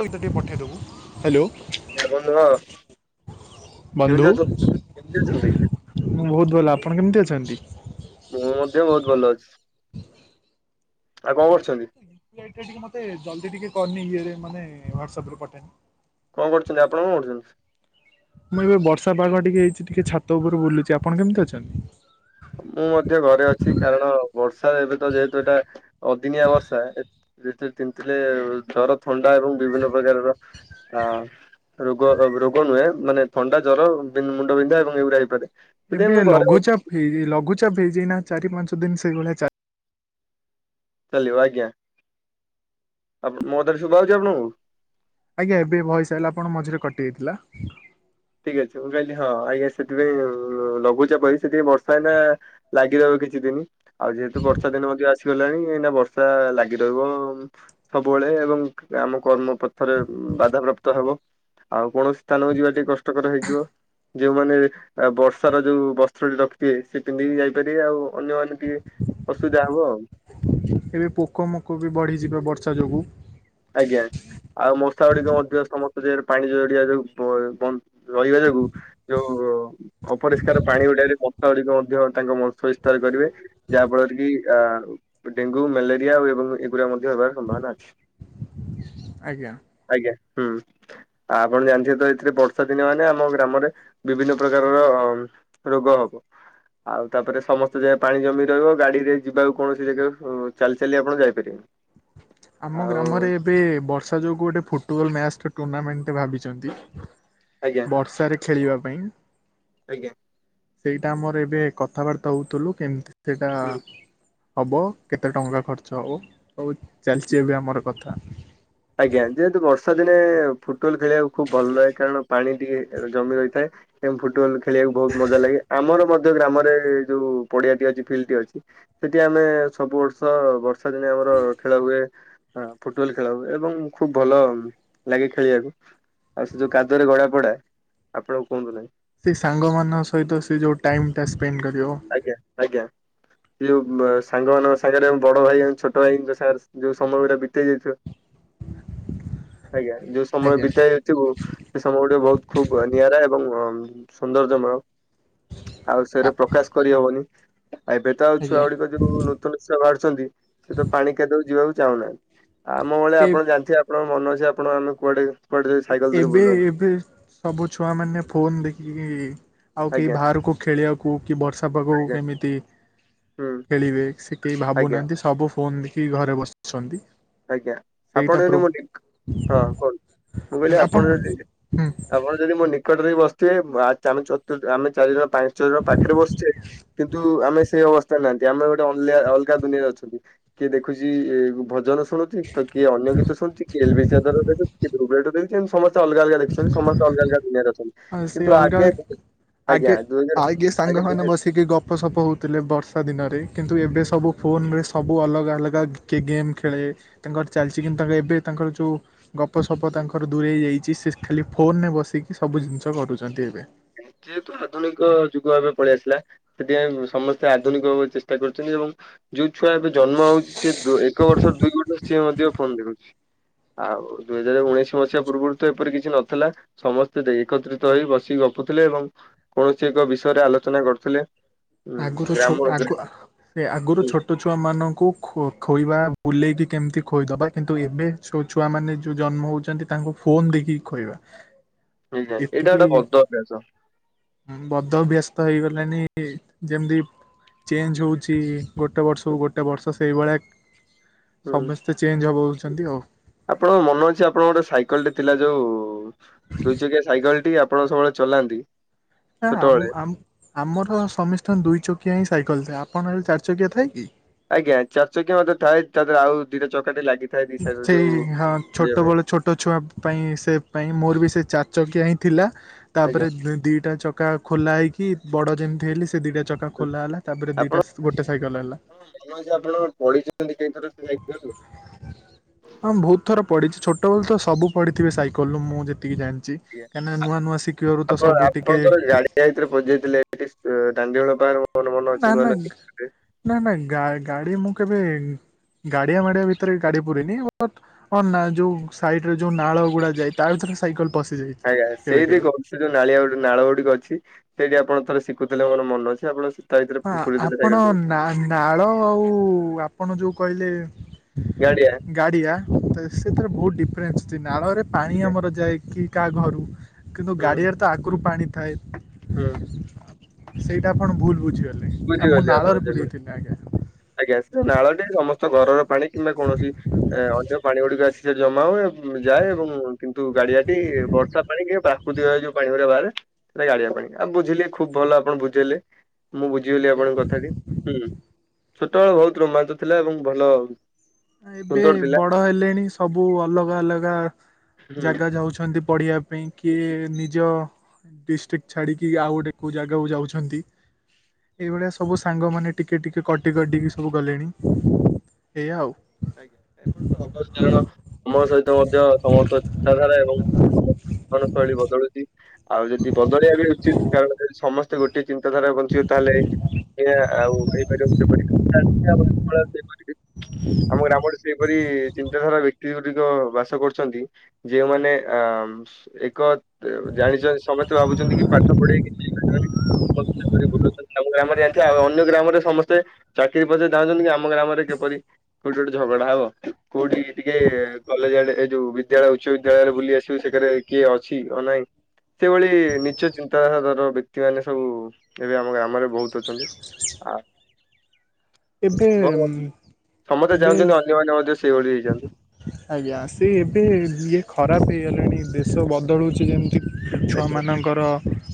ତୋ ଇଏଟା ଟିକେ ପଠେଇଦେବୁ ହାଲୋ। ବନ୍ଧୁ କେମିତି ବନ୍ଧୁ। ଅଛନ୍ତି? ମୁଁ ବୋହୁତ ଭଲ ଆପଣ କେମିତି ଅଛନ୍ତି? ମୁଁ ମଧ୍ୟ ବୋହୁତ ଭଲ ଅଛି। ଆଉ କଣ କରୁଛନ୍ତି? ଇ ଏଇଟା ଟିକେ ମତେ ଜଲ୍ଦି ଟିକେ କରିନି ଇଏରେ ମାନେ ହ୍ୱାଟସ୍ଆପରେ ପଠେଇ। କଣ କରୁଚନ୍ତି ଆପଣ କଣ କରୁଚନ୍ତି? ମୁଁ ଏବେ ବର୍ଷା ପାଗ ଟିକେ ହେଇଚି ଟିକେ ଛାତ ଉପରେ ବୁଲୁଚି ଆପଣ କେମିତି ଅଛନ୍ତି? ମୁଁ ମଧ୍ୟ ଘରେ ଅଛି କାରଣ ବର୍ଷା ଏବେ ତ ଯେହେତୁ ଏଟା ଅଦିନିଆ ବର୍ଷା ଏ [unintelligible] ତିନ୍ତିଲେ ଜର, ଥଣ୍ଡା ଏବଂ ବିଭିନ୍ନ ପ୍ରକାରର ଆ ରୋଗ ଅବ୍ ରୋଗ ନୁହେଁ ମାନେ ଥଣ୍ଡା, ଜର ଦେନ୍ ମୁଣ୍ଡ ବିନ୍ଧା ଏବଂ ଏଇଗୁଡ଼ା ହେଇପାରେ। ସେଥିପାଇଁ ଏବେ ମୁଁ ଘରେ ଲଘୁଚାପ ଫିରି ଲଘୁଚାପ ହେଇଚି ନା ଚାରି ପାଞ୍ଚ ଦିନ ସେଇଭଳିଆ ଚା ଚାଲିବ ଆଜ୍ଞା ଆପଣଙ୍କୁ ମୋ କଥା ଟି ଶୁଭାଉଚି ଆପଣଙ୍କୁ? ଆଜ୍ଞା ଏବେ ଭଏସ୍ ଆଇଲା ଆପଣ ମଝିରେ କଟି ଯାଇଥିଲା। ଠିକ୍ ଅଛି ମୁଁ କହିଲି ହଁ ଆଜ୍ଞା ସେଥିପାଇଁ ଉଁ ଲଘୁଚାପ ହେଇଚି ସେଥିପାଇଁ ବର୍ଷା ଏଇନା ଲାଗିବ ଆଉ କିଛି ଦିନ। ଆଉ ଯେହେତୁ ବର୍ଷା ଦିନ ମଧ୍ୟ ଆସିଗଲାଣି ଏଇନା ବର୍ଷା ଲାଗି ରହିବ ଉମ୍ ସବୁବେଳେ ଏବଂ ଆମ କର୍ମ ପଥରେ ଉମ୍ ବାଧା ପ୍ରାପ୍ତ ହେବ। ଆଉ କୌଣସି ସ୍ଥାନ ଯିବା ଟିକେ କଷ୍ଠକର ହେଇଯିବ। ଯୋଉମାନେ ଏବେ ଆ ବର୍ଷାର ଯୋଉ ବସ୍ତ୍ରଟି ରଖିଥିବେ ସେ ପିନ୍ଧିକି ଯାଇପାରିବେ ଆଉ ଅନ୍ୟମାନେ ଟିକେ ଅସୁବିଧା ହବ ଆଉ। ଏବେ ପୋକ ମୋକ ବି ବଢି଼ଯିବେ ବର୍ଷା ଯୋଗୁ। ଆଜ୍ଞା ଆଉ ମଶା ଗୁଡ଼ିକ ମଧ୍ୟ ସମସ୍ତ ଦେହରୁ ପାଣି ଜଡ଼ିଆ ରୁ ପ ଏ ପନ୍ ରହିବା ଯୋଗୁ ଯୋଉ ଅପରିଷ୍କାର ପାଣି ଗୁଡ଼ାରେ ପ- [unintelligible] ଳିକ ମଧ୍ୟ ତାଙ୍କ ବଂଶ ବିସ୍ତାର କରିବେ ଯାହା ଫଳରେ କି ଆ ଡେଙ୍ଗୁ, ମ୍ୟାଲେରିଆ ଆଉ ଏବଂ ଏଗୁଡ଼ା ମଧ୍ୟ ହେବାର ସମ୍ଭାବନା ଅଛି। ଆଜ୍ଞା। ଆଜ୍ଞା। ହୁଁ। ଆ ଆପଣ ଜାଣିଥିବେ ତ ଏଥିରେ ବର୍ଷାଦିନ ମାନେ ଆମ ଗ୍ରାମରେ ବିଭିନ୍ନ ପ୍ରକାରର ଅଁମ୍ ରୋଗ ହବ। ଆଉ ତାପରେ ସମସ୍ତେ ଜା ପାଣି ଜମି ରହିବ ଗାଡିରେ ଯିବାକୁ କୌଣସି ଜାଗାକୁ ଉ ଚାଲି ଚାଲି ଆପଣ ଯାଇପାରିବେନି। ଆମ ଆଉ ଗ୍ରାମରେ ଏବେ ବର୍ଷା ଯୋଗୁ ଗୋଟେ ଫୁଟବଲ୍ ମ୍ୟାଚ ଟୁର୍ଣ୍ଣାମେଣ୍ଟ ଭାବିଚନ୍ତି। ଆଜ୍ଞା। ବର୍ଷାରେ ଖେଳିବା ପାଇଁ। ଆଜ୍ଞା। ସେଇଟା ଆମର ଏବେ କଥାବାର୍ତ୍ତା ହଉଥିଲୁ କେମିତି ସେଇଟା। ହୁଁ। ହବ କେତେ ଟଙ୍କା ଖର୍ଚ୍ଚ ହବ ସବୁ ଚାଲିଚି ଏବେ ଆମର କଥା। ଆଜ୍ଞା ଯେହେତୁ ବର୍ଷା ଦିନେ ଫୁଟବଲ୍ ଖେଳିବାକୁ ଖୁବ୍ ଭଲ ଲାଗେ କାରଣ ପାଣି। ଟିକେ ଅ ଜମି ରହିଥାଏ ତେଣୁ ଫୁଟବଲ୍ ଖେଳିବାକୁ ବହୁତ ମଜା ଲାଗେ ଆମର ମ ଯୋଉ ଗ୍ରାମରେ ଯୋଉ ପଡିଆଟି ଅଛି ଫିଲ୍ଡ ଟି ଅଛି। ସେଠି ଆମେ ସବୁ ବର୍ଷ ବର୍ଷା ଦିନେ ଆମର ଖେଳ ହୁଏ ଅ ଫୁଟବଲ ଖେଳ ହୁ ଏବଂ ଖୁବ ଭଲ ଲାଗେ ଖେଳିବାକୁ। ଆଉ ସେ ଯୋଉ କାଦୁଅରେ ଗଡା ପଡା ଆପଣ ଆଉ କୁହନ୍ତୁ ନାହିଁ। ସେଇ ସାଙ୍ଗମାନଙ୍କ ସହିତ ସେ ଯଉ ଟାଇମଟା ସ୍ପେଣ୍ଡ କରିବ। ଆଜ୍ଞା ଆଜ୍ଞା ଯୋଉ ବ ସାଙ୍ଗମାନଙ୍କ ସାଙ୍ଗରେ ବଡ ଭାଇ ଆଉ ଛୋଟ ଭାଇଙ୍କ ସା ଯୋଉ ସମୟଟା ବିତାଇ ଦେଇଥିବା ଆଜ୍ଞା ଯୋଉ ସମୟ ଆଜ୍ଞା। ବିତାଇ ସେକୁ ସେ ସମୟ ଗୁଡିକ ବହୁତ ଖୁବ ନିଆରା ଏବଂ ଅ ମ ସୌନ୍ଦର୍ଯ୍ୟମୟ। ଆଉ ଆ ସେରେ ପ୍ରକାଶ କରିହବନି ଆ ଏବେ ତ ଆଉ ଛୁଆ ଆଜ୍ଞା ଗୁଡିକ ଯୋଉ ନୁ ନୂତନ ଛୁଆ ବାହାରୁଛନ୍ତି ସେ ତ ପାଣି କାଦୁଅକୁ ଯିବାକୁ ଚାହୁଁନାହାନ୍ତି ଆମ ଭଳିଆ ଏ ଆପଣ ଜାଣିଥିବେ ଆ ଆପଣଙ୍କ ମନ ଅଛି ଆପଣ ଆମେ କୁଆଡେ। କୁଆଡେ ଯାଇ ସାଇକେଲ ଧରି ଏ-ଏବେ ବୁଲନ୍ତି। ଏବେ ସବୁ ଛୁଆମାନେ ଫୋନ ଦେଖିକି ଆଉ କେହି ଆଜ୍ଞା ବାହାରକୁ। ଖେଳିବାକୁ କି ବର୍ଷା ପାଗକୁ ଆଜ୍ଞା କେମିତି। ହୁଁ ଖେଳିବେ ସେ କେହି ଆଜ୍ଞା ଭାବୁନାହାନ୍ତି ସବୁ ଫୋନ ଦେଖିକି ଘରେ ବସିଛନ୍ତି। ଆଜ୍ଞା ଆପଣ ସେଇଟା ଯଦି ପ୍ରୋ ମୁଁ [unintelligible] ହଁ କୁହନ୍ତୁ ମୁଁ କହିଲି ଆପଣ ଯଦି ଆପଣ। ଯଦି ମୋ ନିକଟରେ ବି ବସିଥିବେ ବା ଆମେ ଚତୁ ଆମେ ଚାରି ଜଣ। ପାଞ୍ଚ, ଛଅ ଜଣ ପାଖରେ ବସିଛେ କିନ୍ତୁ ଆମେ ସେ ଅବସ୍ଥାରେ ନା ତ୍ୟା ଆମେ ଗୋଟେ ଅଲ୍ୟା ଅଲଗା ଦୁନିଆରେ ଅଛନ୍ତି କିଏ ଦେଖୁଛି ଇ ଭଜନ ଶୁଣୁଚି ତ କିଏ ଅନ୍ୟ ଗୀତ ଶୁଣୁଛି କିଏ ଏଲ ବି [unintelligible] ଦେଖୁଛି କିଏ ଦ୍ରୁଭ ରାଇଡର ଦେ ସେ ମ ସମସ୍ତେ ଅଲଗା ଅଲଗା ଦେଖୁଛନ୍ତି ସମସ୍ତେ ଅଲଗା ଅଲଗା ଦୁନିଆରେ ଅଛନ୍ତି ଆଉ ସେ କିନ୍ତୁ ଅଲଗା ଆଗେ ଅଲଗା ଆଜ୍ଞା ଆଗେ ଦୁଇ ହଜାର ଆଗେ ଆଜ୍ଞା ଦୁଇ ସାଙ୍ଗମାନେ ହଜାର ବସିକି ଗପ। ଗପ ସପ ହଉଥିଲେ ବର୍ଷା ଦିନରେ କିନ୍ତୁ ଏବେ ସବୁ ଫୋନରେ ସବୁ ଅଲଗା ଅଲଗା କିଏ ଗେମ୍ ଖେଳେ। ତାଙ୍କର ଚାଲିଛି କିନ୍ତୁ ତାଙ୍କ ଏବେ ତାଙ୍କର ଯୋଉ ଗପ ସପ ତାଙ୍କର ଦୂରେଇ ଯାଇଛି ସେ ଖାଲି ଫୋନ ରେ ବସିକି ସବୁ ଜିନିଷ କଟୁଛନ୍ତି ଏବେ। ଯେହେତୁ ଆଧୁନିକ ଯୁଗ ଏବେ ପଳେଇଆସିଲା। ସେଥିପାଇଁ ଉଁ ସମସ୍ତେ ଆଧୁନିକ ହବାକୁ ଚେଷ୍ଟା କରୁଛନ୍ତି ଏବଂ। ଯୋଉ ଛୁଆ ଏବେ ଜନ୍ମ ହଉଛି ସିଏ ଦୁ ଏକ ବର୍ଷ ଦୁଇ ବର୍ଷ ସିଏ ମଧ୍ୟ ଫୋନ ଦେଖୁଛି। ଆଉ ଦୁଇ ହଜାର ଉଣେଇଶି ମସିହା ପୂର୍ବରୁ ତ ଏପରି କିଛି ନଥିଲା। ସମସ୍ତେ ଦେ ଏକତ୍ରିତ ହେଇ ବସିକି ଗ ପୁଥିଲେ ଏବଂ କୌଣସି ଏକ ବିଷୟରେ ଆଲୋଚନା କରୁଥିଲେ। ହୁଁ ଆଗରୁ ଗ୍ରାମ ଛୋ ଆଜ୍ଞା ଆଗୁଆ। ସେ ଆଗରୁ ଛୋଟ ଛୁଆମାନଙ୍କୁ ଖୋ-ଖୋଇବା ବୁଲେଇକି କେମିତି ଖୋଇଦବା କିନ୍ତୁ ଏବେ। ସବୁ ଛୁଆମାନେ ଯୋଉ ଜନ୍ମ ହଉଛନ୍ତି ତାଙ୍କୁ ଫୋନ ଦେଇକି ଖୋଏବା। ଏଇଟା ଏତିକି ଉଁ ଗୋଟେ ବଦ ଅଭ୍ୟାସ। ବଦ ବ୍ୟସ୍ତ ହେଇଗଲାଣିି। ଯେମିତି ଚେଞ୍ଜ ହଉଛି ଗୋଟେ ବର୍ଷକୁ ଗୋଟେ ବର୍ଷ ସେଇଭଳିଆ। ହୁଁ ସମସ୍ତେ ଚେଞ୍ଜ ହବ ହଉଛନ୍ତି ଆଉ। ଆପଣଙ୍କ ମନ ଅଛି ଆପଣଙ୍କ ଗୋଟେ ସାଇକେଲ ଟେ ଥିଲା ଯୋଉ ଦୁଇ ଚକିଆ ସାଇକେଲ ଟି ଆ ଆପଣ ସବୁବେଳେ ଚଲାନ୍ତି। ନା ଛୋଟବେଳେ। ଦୁଇ ଚକିଆ ହିଁ ସାଇକଲ୍ ଥାଏ, ଆପଣ ଚାର୍ ଚକିଆ ଥାଏ କି? [inaudible] ଯୋଉ ହଁ, ପଡିବା ଛୋଟ ପାଇଁ ବଳେ ଛୋଟ ଛୁଆ ପାଇଁ ସେପ୍ ପାଇଁ, ମୋର ବି ସେ ଚାରି ଚକିଆ ହିଁ ଥିଲା। ଆଜ୍ଞା ତା'ପରେ ଦିଇଟା ଚ ଚକା ଖୋଲା ହେଇକି, ବଡ଼ ଯେମ୍ତି ହେଲି ସେ ଦିଟା ଚକା ଖୋଲା ହେଲା, ତା'ପରେ ଆପଣ ଦିଟା ଗୋଟେ ସାଇକଲ୍ ହେଲା। [inaudible] ହଁ! ବହୁତ୍ ଥର ପଡ଼ିଚି, ଛୋଟ--ଳେ ତ ସବୁ ପଡ଼ିଥିବେ ସାଇକଲ୍ ରୁ ମୁଁ ଯେତିକି ଜାଣ୍ଚି। କା--ନା ନୂଆ ନୂଆ ଶି--ବାରୁ ତ ଆପଣ ସବୁ ଟିକେ ଆପଣଙ୍କର [inaudible] ଅଛି ନୂଆ ନୂଆ ଶିଖୁଥିଲେ। ନାନା ଗାଡ଼ି ମୁଁ କେବେ ଗାଡ଼ିଆ ମାଡ଼ିଆ ଭିତରେ ଗାଡ଼ି ପୁୁରେଇନି। ନା ଯଉ ସାଇଟ୍ ରେ ଯଉ ନାଳ ଗୁ ଯାଏ, ତା ଭିତରେ ସାଇକଲ୍ ପଶିଯା [inaudible] ସେ ଯଉ ନାଳିଆ ନାଳ ଗୁଡ଼ିକ ଅଛି, ସେଇଠି ଆପଣ ଥରେ ଶିକୁଥିଲେ ମୋର ମନେ ଅଛି। ଆପଣ ତା ଭିତରେ ହଁ! ପୁରେଇଦେଲେ ଆପଣ ସାଇକେଲଟିକୁ। ନାଳ, ଆଉ ଆପଣ ଯଉ କ--ଲେ [inaudible] ଗାଡ଼ିଆ ସେଥିରେ ବହୁତ୍ ଡିଫ୍ରେ ନାଳରେ ପାଣି ଆଜ୍ଞା ଆମର ଯାଏ କାହା ଘରୁ? କିନ୍ତୁ ହୁଁ ଗାଡ଼ିଆରେ ତ ଆଗୁରୁ ପାଣି ଥାଏ, ହୁଁ ସେଇଟା ଆପଣ ଭୁଲ୍ ବୁଝିିବା। [inaudible] ଆଜ୍ଞା, ନାଳଟି ସମ----ଘରର ପାଣି, କିମ୍ବା କୌଣସି ଅନ୍ୟ ପାଣି ଗୁଡ଼ିକ ଆସି [inaudible] ଏବଂ କିନ୍ତୁ ଗାଡ଼ିଆଟି ବର୍ଷା ପାଣି ପ୍ରାକୃତିକ ଯଉ ପାଣି ବୁଝିଲି, ଖୁବ୍ ଭଲ ଆପଣ ବୁଝେ--ଲେ। ଆଜ୍ଞା [inaudible] ଏବେ ସୁନ୍ଦର ଥିଲା ବଡ଼ ହେଲେଣି, ସବୁ ଅଲଗା ଅଲଗା ହୁଁ। ଜାଗା ଯାଉଛନ୍ତି। ପଢ଼ି କିଏ ନିଜ ଡିଷ୍ଟ୍ରିକ୍ ଛାଡ଼ିକି, ଆଉ ଗୋଟେ କଉ ଜାଗାକୁ ଯାଉଛନ୍ତି। ଏଇ ଭଳିଆ ସବୁ ସାଙ୍ଗ ମାନେ ଟିକେ ଟିକେ କଟି କଟିକି ସବୁ ଗଲେଣି ଏୟା ଆଉ। [inaudible] [inaudible] ଆଉ ଯଦି ବଦଳିବା ବି ଉଚିତ୍‌, କାରଣ ସମ [inaudible] [inaudible] ଆମ ଗ୍ରାମ ସେପରି ଚିନ୍ତାଧାରା ବ୍ୟକ୍ତି ଗୁ----ବାସ କରୁଛନ୍ତି। [inaudible] [inaudible] [inaudible] ଚାକିରି ଧାଉଁ ନ୍ତି, ଆମ ଗ୍ରାମରେ କଉଠି ଗୋଟେ ଝଗଡା ହବ, କଉଠି ଟିକେ କଲେଜ୍‌ ଆଡ଼େ ଏ ଯଉ ବିଦ୍ୟାଳୟ ଉଚ୍ଚ ବିଦ୍ୟାଳୟ ବୁଲି ଆସି। ସେ [inaudible] ସେ--ଭଳି ନିଚ ଚିନ୍ତାଧାର ବ୍ୟକ୍ତି ମାନେ ସବୁ, ଏବେ ଆମ ଗ୍ରାମରେ ବହୁତ୍ ଅଛନ୍ତି। ହଁ ଏବେ ସମ ଚାହୁଁଚନ୍ତି, ଅନ୍ୟମାନେ ମଧ୍ୟ ସେଇଭଳି ହେଇଯାନ୍ତୁ। [inaudible] ଛୁଆ ମାନଙ୍କର ଆଜ୍ଞା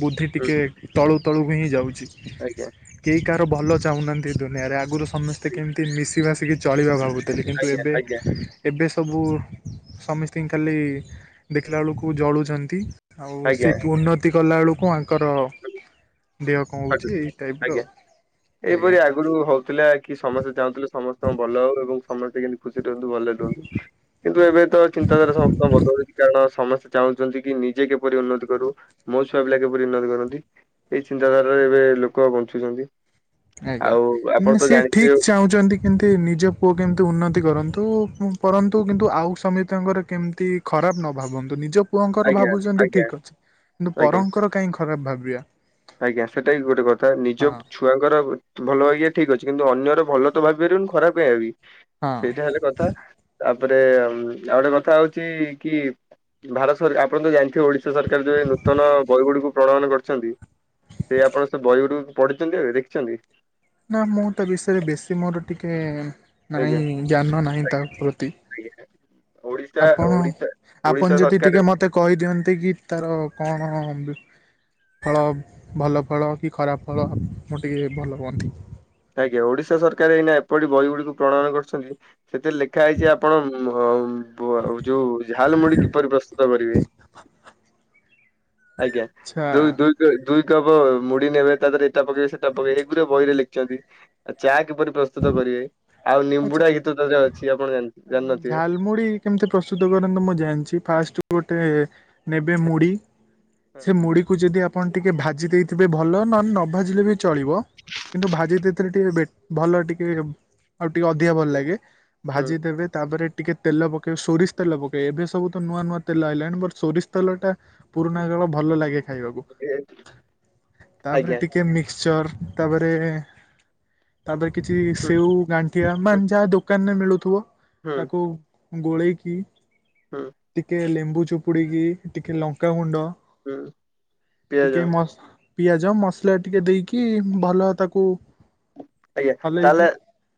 ବୁଦ୍ଧି ହୁଁ। ଟିକେ ତଳ--ତଳକୁ ହିଁ ଯାଉଚି। ଆଜ୍ଞା। କେହି କାହାର ଭଲ ଚାହୁଁ ନାହାନ୍ତି ଦୁନିଆରେ, ଆଗୁରୁ ସମସ୍ତେ କେମ୍ତି ମିଶି----ଚଳିବା ଭାବୁ କିନ୍ତୁ ଆଜ୍ଞା ଏବେ ଆଜ୍ଞା ଏବେ ସବୁ ସମ ଖାଲି, ଦେଖିଲା ଳକୁ ଜଳୁଚନ୍ତି। ଆଉ ସେ ଆଜ୍ଞା ଉନ୍ନତି କଲା ଳକୁ ଦେହ କଣ ହେଉଛି ଖଟୁଛି ଏଇ ଟାଇପ୍ର ଆଜ୍ଞା। ଆଉ ଏହିପରି ଆଜ୍ଞା ଆଗରୁ ହଉଥିଲା କି ସମସ୍ତେ ଚାହୁଁଥିଲେ ସମସ୍ତଙ୍କ ଭଲ ହଉ ଏବଂ ସମସ୍ତେ କେ ଖୁସି ରୁହନ୍ତୁ ଭଲ ରୁହନ୍ତୁ କିନ୍ତୁ ଏବେ ତ ଚିନ୍ତାଧାରା ସମସ୍ତଙ୍କ ଭଲଡୁଛି କାରଣ ସମସ୍ତେ ଚାହୁଁଛନ୍ତି କି ନିଜେ କିପରି ଉନ୍ନତି କରୁ ମୋ ୁଆାମୀା କିପରି ଉନ୍ନତି କରନ୍ତି ଏଇ ଗାରରେ ଏବେ ଲୋକ ବଞ୍ଚୁଛନ୍ତି ଆଜ୍ଞା ଆଉ ଆପଣ ତ ସେ ଜାଣିଥିବେ ଠିକ୍ ଚାହୁଁଛନ୍ତି। ଏମିତି ନିଜ ପୁଅକୁ କେମିତି ଉନ୍ନତି କରନ୍ତୁ ପରନ୍ତୁ କିନ୍ତୁ ଆଉ ସମୀସ୍ତଙ୍କର କେମିତି? ଖରାପ ନ ଭାବନ୍ତୁ ନିଜ ପୁଅଙ୍କର ଆଜ୍ଞା ଭାବୁଛନ୍ତି ଆଜ୍ଞା ଠିକ୍ ଅଛି କିନ୍ତୁ ଆଜ୍ଞା। ପରଙ୍କର କାଇହିଁ ଖରାପ ଭାବିବା। ଆଜ୍ଞା ସେଟା ଗୋଟେ କଥା ହଁ ନିଜ ଛୁ ଛୁଆଙ୍କର ଭଲ ଭାହିବା ଠିକ୍ ଅଛି କିନ୍ତୁ ଅନ୍ୟର ଭଲ ତ ଭାବି ପାରିବନି ଖରାପ ଭାବିବି ହଁ। ସେଇଟା ହେଲେ କଥା ତାପରେ ଆଉ ଉଁ ଗୋଟେ କଥା ହଉଚ କି? ଭାରତ ସରକା ଆପଣ ତ ଜାଣିଥିବେ ଓଡିଶା ସରକାର ଯୋଉ ନୂତନ ବହିଗୁଡି଼କୁ ପ୍ରଣୟନ କରିଛନ୍ତି। ସେ ଆପଣ ସେ ବୟଉଡରୁ ପଢିଛନ୍ତି ଆଉ ଦେଖିଛନ୍ତି। ନା ମୁଁ ତା ବିଷୟରେ ବେଶୀ ମୋର ଟିକେ ଆଜ୍ଞା। ନାହିଁ ଜ୍ଞାନ ନାହିଁ ତା ପ୍ରତି ଆଜ୍ଞା ଓଡିଶା ଆପଣ ଓଡିଶା ଓଡିଶା ଆପଣ ଯଦି ସରକାର ଟିକେ ମତେ କହିଦିଅନ୍ତି କି ତାର କଣ ଫଳ ଭଲ ଫଳ କି ଖରାପ ଫଳ ମୁ ଟିକଏ ଭଲ ହୁଅନ୍ତି। ଆଜ୍ଞା ଓଡିଶା ସରକାର ଏଇନା ଏପରି ବହି ଗୁଡିକୁ ପ୍ରଣୟନ କରୁଛନ୍ତି ସେଥିରେ ଲେଖା ହେଇଛି ଆପଣ ଅ ଯୋଉ ଝାଲ୍ ମୁଢି କିପରି ପ୍ରସ୍ତୁତ କରିବେ? ଆଜ୍ଞା ଆଚ୍ଛା ଦୁଇ ଦୁଇ ଦୁଇ କପ୍ ମୁଢୀ ନେବେ ତାଦେହରେ ଏଟା ପକେଇବେ ସେଟା ପକେଇବେ ଏଗୁରା ବହିରେ ଲେଖିଛନ୍ତି। ଚା କିପରି ପ୍ରସ୍ତୁତ କରିବେ ଆଉ ଆଚ୍ଛା ନିମ୍ବୁଡା ଗୀତ ତ ଅଛି ଆପଣ ଜାଣି-ଜାଣିନଥିବେ। ଝାଲମୁଢ଼ି କେମିତି ପ୍ରସ୍ତୁତ କରନ୍ତୁ ମୁଁ ଜାଣିଛି ଫାଷ୍ଟ୍ ଗୋଟେ ନେବେ ମୁଢ଼ି ହଁ, ସେ ମୁଢ଼ିକୁ ଯଦି ଆପ ଆପଣ ଟିକିଏ ଭାଜି ଦେଇଥିବେ ଭଲ ନହେଲେ ନ ଭାଜିଲେ ବି ଚଳିବ। କିନ୍ତୁ ଭାଜି ଦେଇଥିଥିଲେ ଟିକେ ବିଟ୍ ଭଲ ଟିକେ ଆଉ ଟିକେ ଅଧିକା ଭଲ ଲାଗେ ହୁଁ ଭାଜିଦେବେ ତାପରେ ଟିକେ ତେଲ ପକେଇବେ ସୋରିଷ୍ ତେଲ ପକେଇବେ ଏବେ ସବୁ ତ ନୂଆ ନୂଆ ତେଲ ଆଇଲାଣି ବଟ୍ ସୋରିଷ୍ ତେଲ ଟା ପୁରୁଣା ଜଳ ଭଲ ଲାଗେ ଖାଇବାକୁ ଏ- ତାପରେ ଆଜ୍ଞା ଟିକେ ମିକ୍ସଚର ତାପରେ ତାପରେ କିଛି ହୁଁ ସେଉ ଗାଣ୍ଠିଆ ମାନ ହୁଁ ବା ଯା ତା ଦୋକାନ ରେ ମିଳୁଥିବ ହୁଁ ତାକୁ ଗୋଳେଇକି ହୁଁ ଟିକେ ଲେମ୍ବୁ ଚିପୁଡି଼କି ଟିକେ ଲଙ୍କାଗୁଣ୍ଡ ହୁଁ ପିଆଜ ଟିକେ ମସ୍ ପିଆଜ ମସଲା ଟିକେ ଦେଇକି ଭଲ ତାକୁ ଆଜ୍ଞା ହଲେଇକି ତାହେଲେ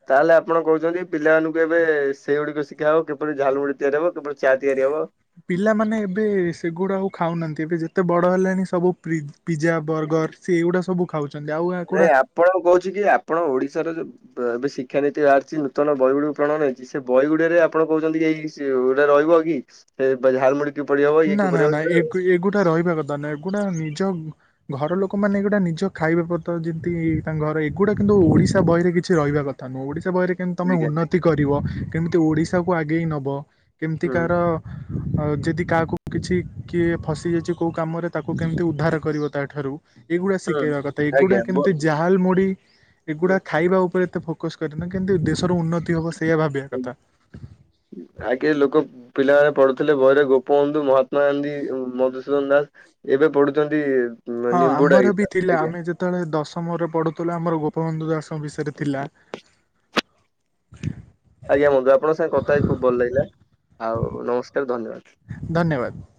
ତାହେଲେ ଆପଣ କହୁଛନ୍ତି ପିଲାମାନଙ୍କୁ ଏବେ ସେଇଗୁଡି଼କ ଶିଖା ହବ କିପରି ଝାଲ୍ ମୁୁଢି ତିଆରି ହେବ କିପରି ଚା ତିଆରି ହେବ। ପିଲାମାନେ ଏବେ ସେଗୁଡା ଆଉ ଖାଉନାହାନ୍ତି ଏବେ ଯେତେ ବଡ ହେଲାଣି ସବୁ ପ୍ରୀ ପିଜା ବର୍ଗର୍ ସେ ଏଇଗୁଡ଼ା ସବୁ ଖାଉଛନ୍ତି ଆଉ ନାଇଁ ଏହାଗୁଡା଼ ଆପଣ କହୁଛି କି ଆପଣ ଓଡିଶାର ଯୋଉ ଏବେ ଶିକ୍ଷାନୀତି ବାହାରିଛି ନୂତନ ବହି ଗୁଡି଼କୁ ପ୍ରଣୟନ ହେଇଛି ସେ ବହିଗୁଡିରେ ଆପଣ କହୁଛନ୍ତି କି ଏଇ ଗୋଟା ରହିବ କି ସେ ବା ଝାଲ୍ ମୁଢି। ନା ନା ନା ଏଗୁ ଏଗୁଡା ରହିବା କଥା ନା ଏଗୁଡା ନିଜ ଘର ଲୋକମାନେ ଏଗୁଡା ନିଜ ଖାଇବା ପତ୍ର ଯେତିକି ତାଙ୍କ ଘର ଏଗୁଡା କିନ୍ତୁ ଓଡିଶା ବହିରେ କିଛି ରହିବା କଥା ଥା ନୁହଁ ଓଡ଼ିଶା ବହିରେ କେମିତି ତମେ ଆଜ୍ଞା ଉନ୍ନତି କରିବ କେମିତି ଓଡ଼ିଶାକୁ ଆଗେଇ ନେବ କେମିତି ହୁଁ କାହାର ଆଉ ଯଦି କାହା କି କିଛି ଫସିଯାଇଛି କେଉଁ କାମରେ ତାକୁ କେମିତି ଉଦ୍ଧାର କରିବ ତାଠାରୁ ଏଗୁଡ଼ା ହୁଁ ଶିଖେଇବା କଥା ଏଗୁଡା ଆଜ୍ଞା ବ କେମତି ଜା ଝାଲ୍ ମୁଢ଼ୀ ହୁଁ। ଏଗୁଡ଼ା ଖାଇବା ଉପରେ ଏତେ ଫୋକସ୍ କରେନା କିନ୍ତୁ ଦେଶର ଉନ୍ନତି ହେବ ସେଇଆ ଭାବିବା ହୁଁ କଥା। ଆଗେ ଲୋକ ପିଲାମାନେ ପଢୁଥିଲେ ବହିରେ ଗୋପବନ୍ଧୁ ମହାତ୍ମା ଗାନ୍ଧୀ ମଧୁସୂଦନ ଦାସ ଏବେ ପଢୁଛନ୍ତି ନିମ୍ବୁଡା ଗୀତ ଆଜ୍ଞା। ସେତେବେଳେ ଦଶମରେ ପଢୁଥିଲେ ଆମର ଗୋପବନ୍ଧୁ ଦାସ ଙ୍କ ବିଷୟରେ ଥିଲା। ଆଜ୍ଞା ବନ୍ଧୁ ଆପଣଙ୍କ ସାଙ୍ଗେ କଥା ହେଇ ଖୁବ ଭଲ ଲାଗିଲା ଆଉ ନମସ୍କାର ଧନ୍ୟବାଦ। ଧନ୍ୟବାଦ।